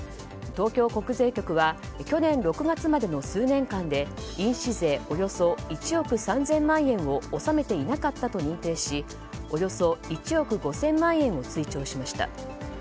東京国税局は去年６月までの数年間で印紙税およそ１億３０００万円を納めていなかったと認定しおよそ１億５０００万円を追徴しました。